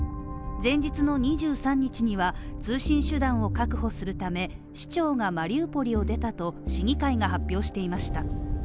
前日の２３日は通信手段を確保するため市長がマリウポリを出たと市議会が発表していました。